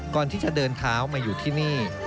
ก่อนที่จะเดินเท้ามาอยู่ที่นี่